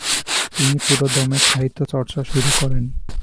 তিনি পুরোদমে সাহিত্যচর্চা শুরু করেন।